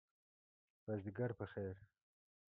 مازدیګر په خیر !